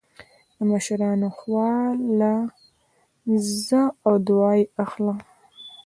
د مشرانو خوا له ځه او دعا يې اخله